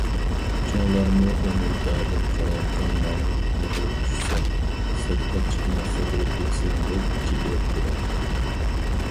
چوڭلارمۇ ئۇنى دائىم قالايمىقان ماڭما يىقىلىپ چۈشىسەن، سىرتقا چىقما سوقۇلۇپ كېتىسەن، دەپ جېكىلەپ تۇراتتى.